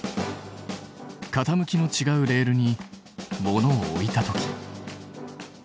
傾きのちがうレールに物を置いた時。